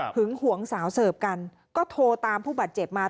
หวงสาวเสิร์ฟกันก็โทรตามผู้บาดเจ็บมา